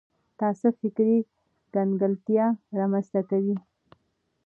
تعصب فکري کنګلتیا رامنځته کوي